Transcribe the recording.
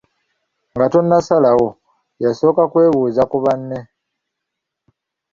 Nga tonnasalawo, yasooka kwebuuza ku banne.